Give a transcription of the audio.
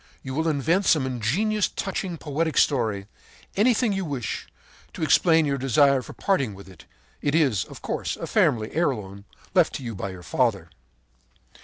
You will invent some ingenious, touching, poetic story, anything that you wish, to explain your desire for parting with it. It is, of course, a family heirloom left you by your father.